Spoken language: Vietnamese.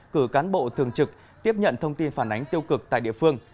cử cán bộ thường trực tiếp nhận thông tin phản ánh tiêu cực tại địa phương